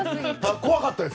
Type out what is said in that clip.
怖かったです。